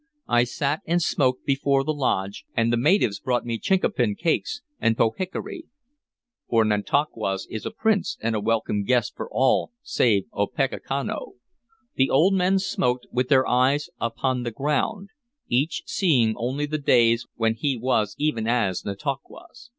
I sat and smoked before the lodge, and the maidens brought me chinquapin cakes and pohickory; for Nantauquas is a prince and a welcome guest to all save Opechancanough. The old men smoked, with their eyes upon the ground, each seeing only the days when he was even as Nantauquas.